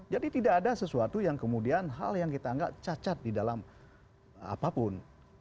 jadi tidak ada sesuatu yang kemudian hal yang kita anggap cacat di dalam apapun